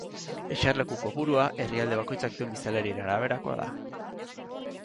Eserleku kopurua herrialde bakoitzak duen biztanleriaren araberakoa da.